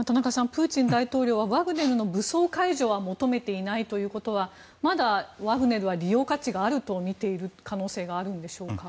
プーチン大統領はワグネルの武装解除は求めていないということはまだワグネルは利用価値があるとみている可能性があるんでしょうか。